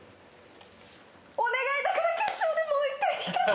お願いだから決勝でもう１回弾かせて。